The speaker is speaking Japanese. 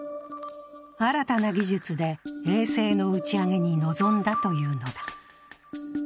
新たな技術で衛星の打ち上げに臨んだというのだ。